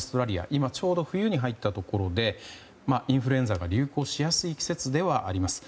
今ちょうど冬に入ったところでインフルエンザが流行しやすい季節ではあります。